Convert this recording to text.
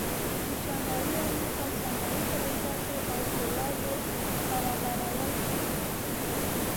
د شمالي امریکا صنایع فلزاتو او فولادو برابرول دي.